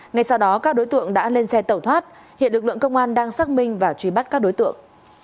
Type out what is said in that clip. ngay sau đó các đối tượng đã lên xe tẩu thoát hiện lực lượng công an đang xác minh và truy bắt các đối tượng